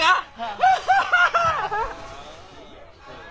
アハハハ！